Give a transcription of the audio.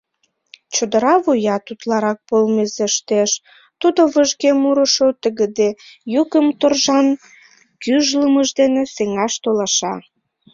Чодыра вуят утларак полмезештеш, тудо выжге мурышо тыгыде йӱкым торжан гӱжлымыж дене сеҥаш толаша.